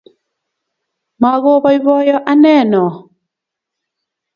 Mago boiboyo anee noo